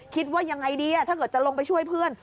คิดว่ายังไงดีถ้าเกิดจะลงไปช่วยเพื่อน